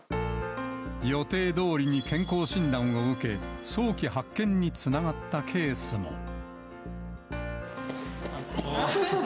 予定どおりに健康診断を受け、早期発見につながったケースも。